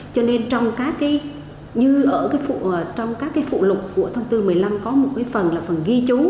cho nên trong các cái phụ lục của thông tư một mươi năm có một cái phần là phần ghi chú